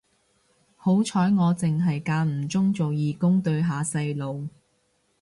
好彩我剩係間唔中做義工對下細路